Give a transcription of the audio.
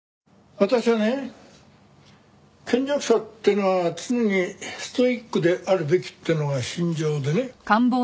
私はね権力者っていうのは常にストイックであるべきっていうのが信条でね。